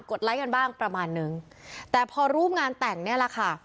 ไลค์กันบ้างประมาณนึงแต่พอรูปงานแต่งเนี่ยแหละค่ะ